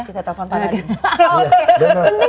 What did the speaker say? kita telfon pada hari